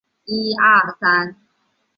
短刺筐形蟹为馒头蟹科筐形蟹属的动物。